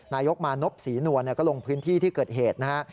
นายกมานพศรีนวลก็ลงพื้นที่ที่เกิดเหตุนะฮะ